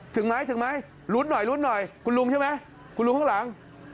ถึงไหมถึงไหมลุดหน่อยคุณลุงใช่ไหมคุณลุงข้างหลัง